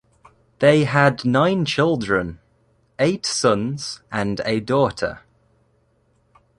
They had nine children, eight sons and a daughter.